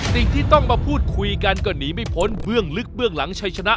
สิ่งที่ต้องมาพูดคุยกันก็หนีไม่พ้นเบื้องลึกเบื้องหลังชัยชนะ